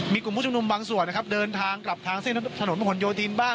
มีกลุ่มผู้ชุมนุมบางส่วนนะครับเดินทางกลับทางเส้นถนนประหลโยธินบ้าง